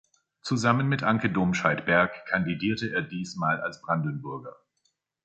Zusammen mit Anke Domscheit-Berg kandidierte er diesmal als Brandenburger.